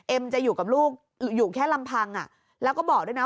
จะอยู่กับลูกอยู่แค่ลำพังแล้วก็บอกด้วยนะ